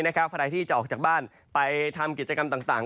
ใครที่จะออกจากบ้านไปทำกิจกรรมต่าง